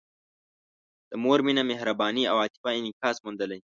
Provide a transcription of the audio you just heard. د مور مینه، مهرباني او عاطفه انعکاس موندلی.